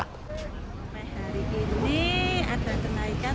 hari ini ada kenaikan